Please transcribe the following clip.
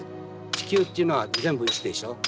地球っていうのは全部石でしょ。